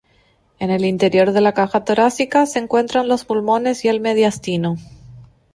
En el interior de la caja torácica se encuentran los pulmones y el mediastino.